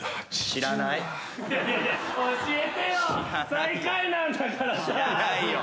知らないよ。